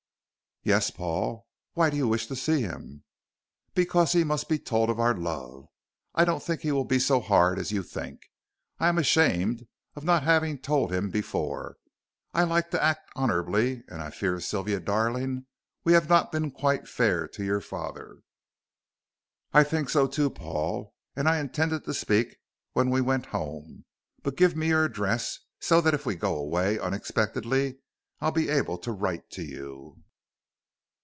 "Yes, Paul. Why do you wish to see him?" "Because he must be told of our love. I don't think he will be so hard as you think, and I am ashamed of not having told him before. I like to act honorably, and I fear, Sylvia darling, we have not been quite fair to your father." "I think so, too, Paul, and I intended to speak when we went home. But give me your address, so that if we go away unexpectedly I'll be able to write to you."